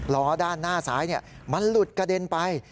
ล้อด้านหน้าซ้ายมันหลุดกระเด็นไป